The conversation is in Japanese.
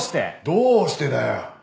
どうしてだよ！